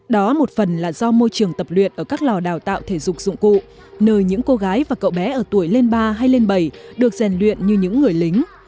đó một phần là do môi trường tập luyện ở các lò đào tạo thể dục dụng cụ nơi những cô gái và cậu bé ở tuổi lên ba hay lên bảy được rèn luyện như những người lính